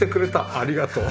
ありがとう。